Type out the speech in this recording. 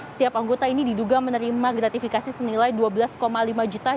setiap anggota ini diduga menerima gratifikasi senilai dua belas lima juta